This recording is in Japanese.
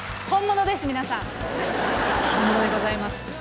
本物でございます。